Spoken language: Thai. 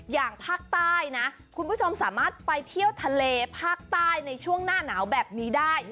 อย่างภาคใต้นะคุณผู้ชมสามารถไปเที่ยวทะเลภาคใต้ในช่วงหน้าหนาวแบบนี้ได้